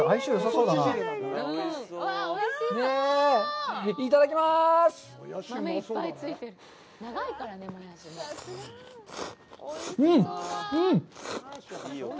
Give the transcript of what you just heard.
うん！